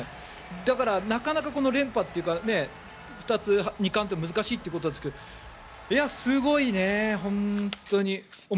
だからなかなか連覇というか２冠というのは難しいということですがすごいね、本当に。